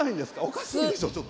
おかしいでしょ。